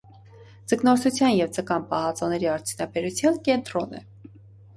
Ձկնորսության և ձկան պահածոների արդյունաբերության կենտրոն է։